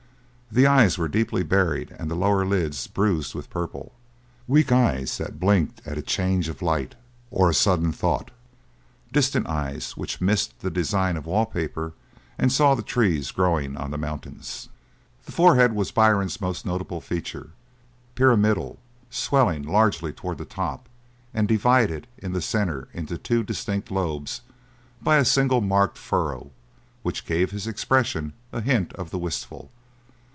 The eyes were deeply buried and the lower lids bruised with purple weak eyes that blinked at a change of light or a sudden thought distant eyes which missed the design of wall paper and saw the trees growing on the mountains. The forehead was Byrne's most noticeable feature, pyramidal, swelling largely towards the top and divided in the centre into two distinct lobes by a single marked furrow which gave his expression a hint of the wistful.